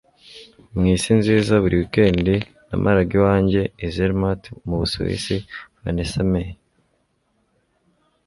mw'isi nziza, buri wikendi namaraga iwanjye i zermatt mu busuwisi - vanessa mae